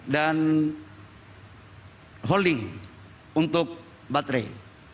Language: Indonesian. dan holding untuk baterai